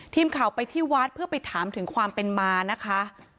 ทีมข่าวไปที่วัดเพื่อไปถามถึงความเป็นมานะคะ